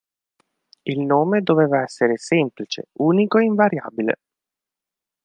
Il nome doveva essere semplice, unico e invariabile.